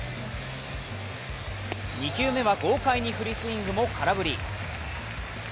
２球目は豪快にフルスイングも空振り。